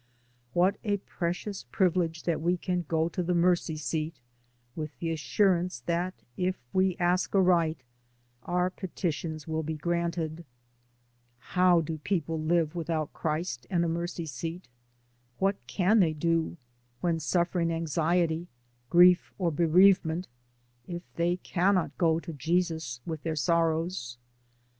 What a precious privilege that we can go to the Mercy seat with the assurance that if we ask aright our petitions will be granted. How do people live with out Christ and a Mercy seat? What can they do, when suffering anxiety, grief, or bereavement, if they cannot go to Jesus with their sorrows?